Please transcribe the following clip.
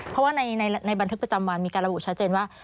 เพราะว่าในบันทึกประจำวันมีการระบุชัดเจนว่า